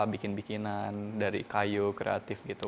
bikin bikinan dari kayu kreatif gitu